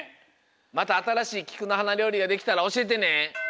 またあたらしいきくのはなりょうりができたらおしえてね！